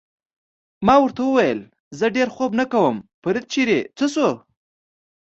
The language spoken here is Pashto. ما ورته وویل: زه ډېر خوب نه کوم، فرید چېرې څه شو؟